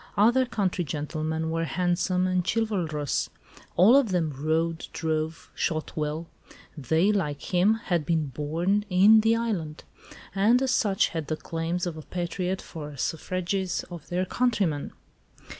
Other country gentlemen were handsome and chivalrous. All of them rode, drove, shot well; they, like him, had been born "in the island," and as such had the claims of a patriot for the suffrages of their countrymen.